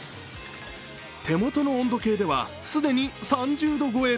手元の温度計では既に３０度超え。